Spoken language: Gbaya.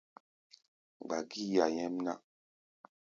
Gba gíí ya nyɛ́mná!